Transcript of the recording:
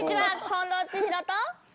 近藤千尋と。